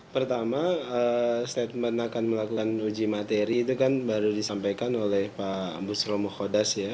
pertama statement akan melakukan uji materi itu kan baru disampaikan oleh pak busro muhhodas ya